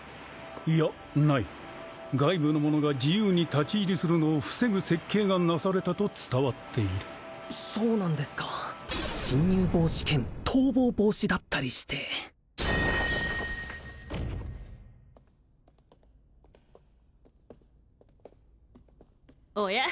いやない外部の者が自由に立ち入りするのを防ぐ設計がなされたと伝わっているそうなんですか侵入防止兼逃亡防止だったりしておや？